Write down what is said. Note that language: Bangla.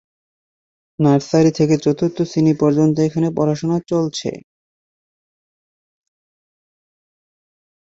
নার্সারি থেকে চতুর্থ শ্রেণি পর্যন্ত এখানে পড়াশোনা চলছে।